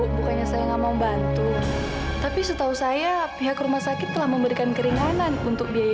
tolong ibu selesaikan dulu proses administrasinya